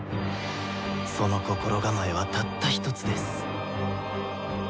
その心構えはたったひとつです。